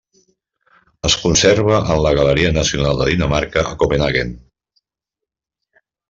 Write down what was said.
Es conserva en la Galeria Nacional de Dinamarca a Copenhaguen.